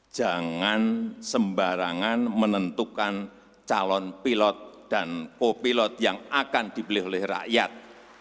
jangan sembarangan menentukan calon pilot dan popilot yang akan dibeli oleh rakyat